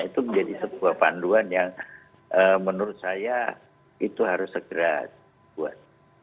itu menjadi sebuah panduan yang menurut saya itu harus segera dibuat